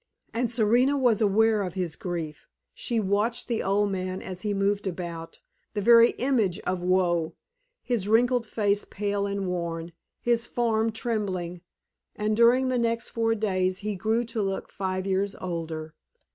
And Serena was aware of his grief. She watched the old man as he moved about, the very image of woe, his wrinkled face pale and worn, his form trembling, and during the next four days he grew to look five years older.